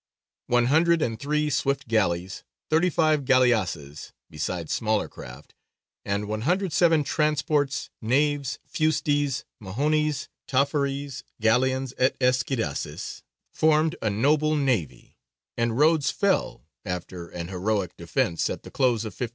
One hundred and three swift galleys, thirty five galleasses, besides smaller craft, and 107 transports, "naves, fustes, mahones, tafforées, galions, et esquirasses," formed a noble navy, and Rhodes fell, after an heroic defence, at the close of 1522.